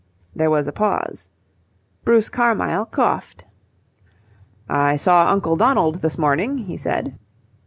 There was a pause. Bruce Carmyle coughed. "I saw Uncle Donald this morning," he said.